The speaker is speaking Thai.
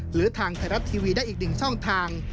หรือทางไทยรัฐทีวีได้อีกหนึ่งช่องทาง